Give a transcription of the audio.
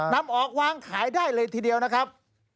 นำออกวางขายได้เลยทีเดียวนะครับ